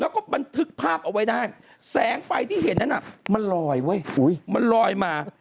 แล้วก็บันทึกภาพเอาไว้ได้แสงไฟที่เห็นนั้นมันลอยเว้ยมันลอยมา